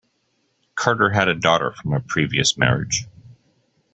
Carter had a daughter from a previous marriage.